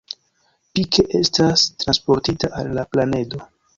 Pike estas transportita al la planedo.